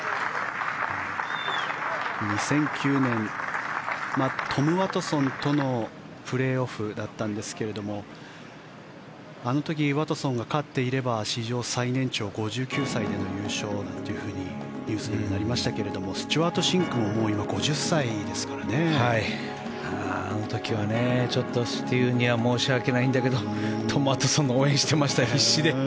２００９年、トム・ワトソンとのプレーオフだったんですがあの時、ワトソンが勝っていれば史上最年長５９歳での優勝なんていうふうにニュースにもなりましたがスチュワート・シンクもあの時はちょっとステューには申し訳ないんだけどトム・ワトソンを応援してました。